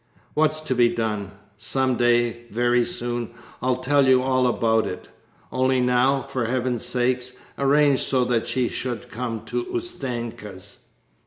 ...' 'What's to be done! ... Some day, very soon, I'll tell you all about it. Only now, for Heaven's sake, arrange so that she should come to Ustenka's.'